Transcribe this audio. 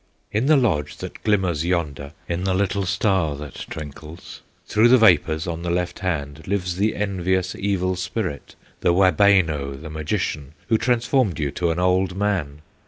"'In the lodge that glimmers yonder, In the little star that twinkles Through the vapors, on the left hand, Lives the envious Evil Spirit, The Wabeno, the magician, Who transformed you to an old man.